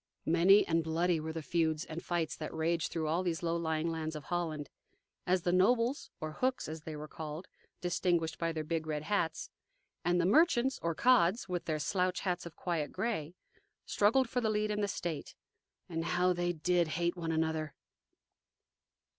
Many and bloody were the feuds and fights that raged through all those low lying lands of Holland, as the nobles, or "Hooks," as they were called distinguishable by their big red hats, and the merchants, or "Cods," with their slouch hats of quiet gray, struggled for the lead in the state. And how they DID hate one another!